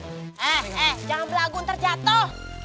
eh eh jangan berlagu ntar jatuh